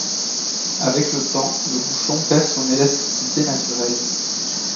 Avec le temps, le bouchon perd son élasticité naturelle.